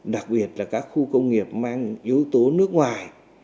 đặc biệt là các khu công nghiệp mang yếu tố nước ngoài